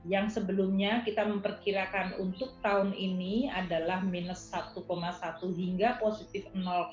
yang sebelumnya kita memperkirakan untuk tahun ini adalah minus satu satu hingga positif